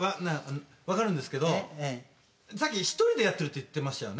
分かるんですけどさっき「１人でやってる」って言ってましたよね。